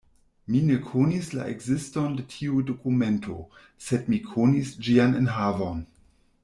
Mi ne konis la ekziston de tiu dokumento, sed mi konis ĝian enhavon.